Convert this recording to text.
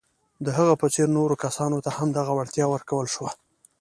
د هغه په څېر نورو کسانو ته هم دغه وړتیا ورکول شوه.